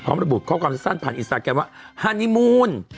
พร้อมระบุข้อกรรมสัตว์สั้นผ่านอินสตาแกนว่าฮานิมูน